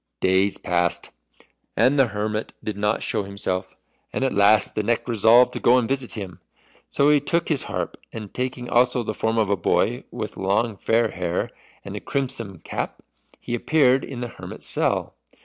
Days passed, and the hermit did not show himself, and at last the Neck resolved to go and visit him. So he took his harp, and taking also the form of a boy with long fair hair and a crimson cap, he appeared in the hermit's cell.